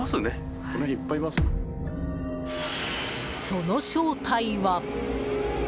その正体は。